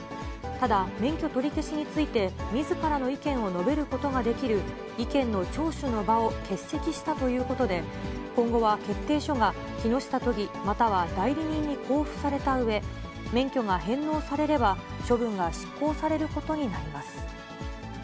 ただ、免許取り消しについて、みずからの意見を述べることができる意見の聴取の場を欠席したということで、今後は決定書が木下都議、または代理人に交付されたうえ、免許が返納されれば、処分は執行されることになります。